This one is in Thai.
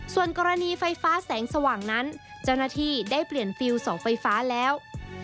ส่วนกรณีไฟฟ้าแสงสว่างนั้นเจ้าหน้าที่ได้เปลี่ยนฟิลลเสาไฟฟ้าแล้ว